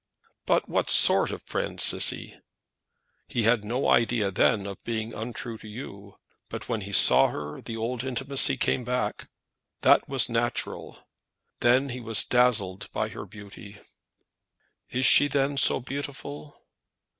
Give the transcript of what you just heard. "But what sort of friend, Cissy?" "He had no idea then of being untrue to you. But when he saw her the old intimacy came back. That was natural. Then he was dazzled by her beauty." "Is she then so beautiful?"